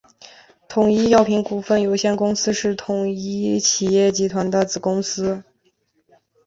统一药品股份有限公司是统一企业集团的子公司。